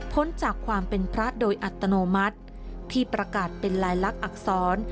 จากความเป็นพระโดยอัตโนมัติที่ประกาศเป็นลายลักษณอักษร